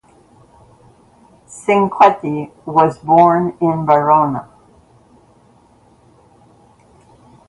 Cinquetti was born in Verona.